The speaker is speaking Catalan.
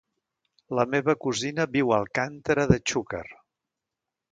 La meva cosina viu a Alcàntera de Xúquer.